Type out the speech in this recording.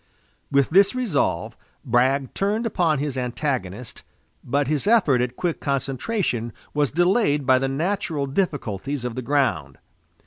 With this resolve, Bragg turned upon his antagonist but his effort at quick concentration was delayed by the natural difficulties of the ground.